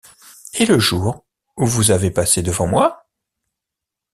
Et le jour où vous avez passé devant moi?